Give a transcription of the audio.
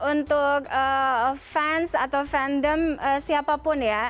untuk fans atau fandom siapapun ya